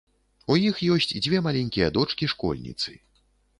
У іх ёсць дзве маленькія дочкі-школьніцы.